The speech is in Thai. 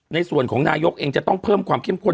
ในส่วนของนายกเองจะต้องเพิ่มความเข้มข้น